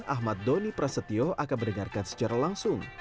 ahmad doni prasetyo akan mendengarkan secara langsung